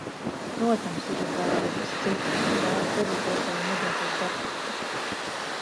Protams, ir arī vēl kas cits, un tā ir kredītvērtējuma aģentūru darbība.